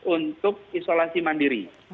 untuk isolasi mandiri